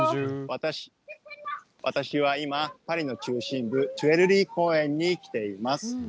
私は今、パリの中心部、チュイルリー公園に来ています。